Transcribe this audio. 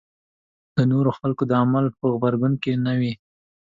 د نورو خلکو د عمل په غبرګون کې نه وي.